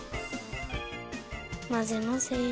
まぜまぜ。